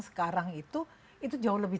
sekarang itu itu jauh lebih